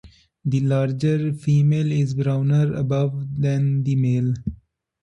The larger female is browner above than the male.